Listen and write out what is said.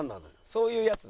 そういうやつだ。